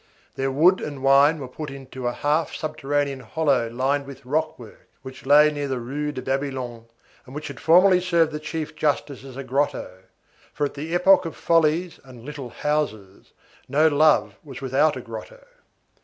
Their wood and wine were put into a half subterranean hollow lined with rock work which lay near the Rue de Babylone and which had formerly served the chief justice as a grotto; for at the epoch of follies and "Little Houses" no love was without a grotto.